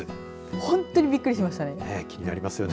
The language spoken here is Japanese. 本当にびっくりしましたね。